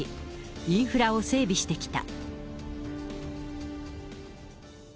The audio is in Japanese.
インフラを整備してきた。